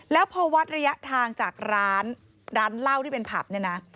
แล้วพอวัดระยะทางจากร้านร้านเหล้าที่เป็นผับเนี่ยนะ